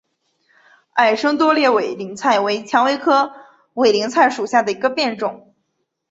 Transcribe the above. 矮生多裂委陵菜为蔷薇科委陵菜属下的一个变种。